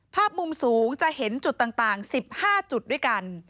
ภาพมุมสูงจะเห็นจุดต่าง๑๕จุดด้วยกัน